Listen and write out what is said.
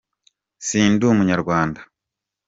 sindumunyarwanda